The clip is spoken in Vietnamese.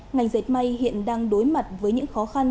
ngành dệt may hiện đang đối mặt với những khó khăn